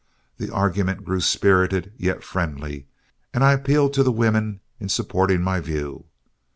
The argument grew spirited yet friendly, and I appealed to the women in supporting my view.